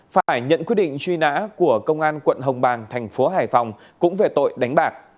phải nhận quyết định truy nã của công an quận hồng bàng thành phố hải phòng cũng về tội đánh bạc